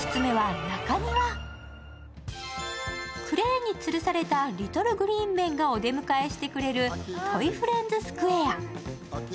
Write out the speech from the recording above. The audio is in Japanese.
クレーンにつるされたリトル・グリーン・メンがお出迎えしてくれるトイ・フレンズ・スクエア。